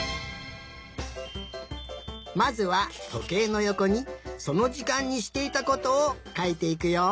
まずはとけいのよこにそのじかんにしていたことをかいていくよ。